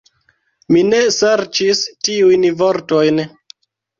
Mi ne serĉis tiujn vortojn.